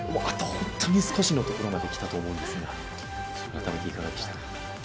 あと本当に少しのところまできたと思うんですが改めていかがでしたか？